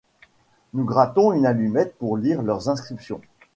Nous grattons une allumette pour lire leur inscription.